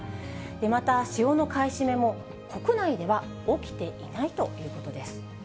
また、塩の買い占めも国内では起きていないということです。